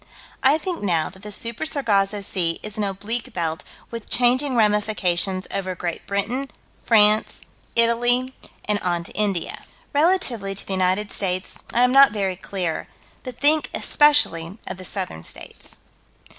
I think, now, that the Super Sargasso Sea is an oblique belt, with changing ramifications, over Great Britain, France, Italy, and on to India. Relatively to the United States I am not very clear, but think especially of the Southern States.